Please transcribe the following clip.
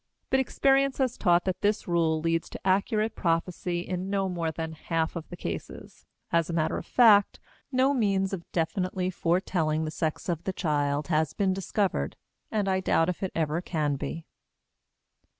But experience has taught that this rule leads to accurate prophecy in no more than half of the cases. As a matter of fact, no means of definitely foretelling the sex of the child has been discovered, and I doubt if it ever can be.